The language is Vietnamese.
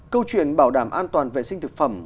câu chuyện bảo đảm an toàn vệ sinh thực phẩm